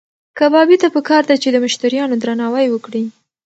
کبابي ته پکار ده چې د مشتریانو درناوی وکړي.